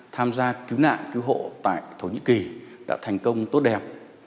tham gia cứu nạn cứu hộ tại thổ nhĩ kỳ đã thành công tốt đẹp